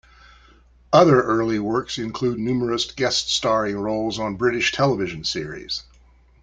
Other early works include numerous guest-starring roles on British television series.